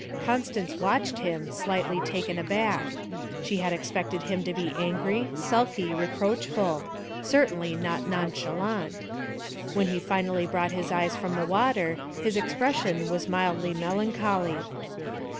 Constance watched him, slightly taken aback; she had expected him to be angry, sulky, reproachful certainly not nonchalant. When he finally brought his eyes from the water, his expression was mildly melancholy.